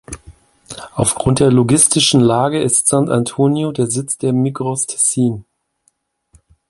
Aufgrund der logistischen Lage ist Sant’Antonino der Sitz der Migros Tessin.